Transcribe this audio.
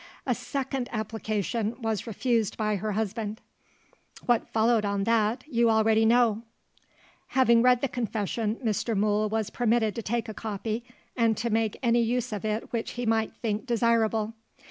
A second application was refused by her husband. What followed on that, you know already." Having read the confession, Mr. Mool was permitted to take a copy, and to make any use of it which he might think desirable.